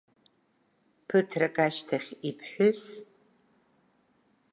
Ԥыҭрак ашьҭахь иԥҳәыс…